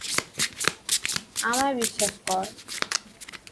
আমায় বিশ্বাস কর।